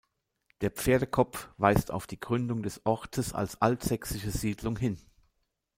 Der Pferdekopf weist auf die Gründung des Ortes als altsächsische Siedlung hin.